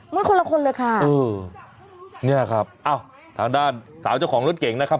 มันคนละคนเลยค่ะเออเนี่ยครับอ้าวทางด้านสาวเจ้าของรถเก่งนะครับ